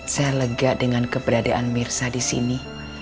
saya lega dengan keberadaan mirza disini